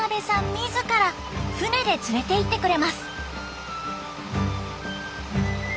自ら船で連れて行ってくれます。